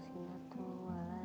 sampai jumpa lagi